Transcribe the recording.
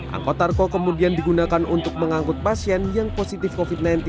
angkot tarko kemudian digunakan untuk mengangkut pasien yang positif covid sembilan belas